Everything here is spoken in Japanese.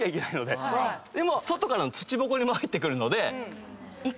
でも外からの土ぼこりも入ってくるので。